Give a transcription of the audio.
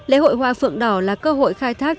lễ hội hoa phượng đỏ là cơ hội khai thác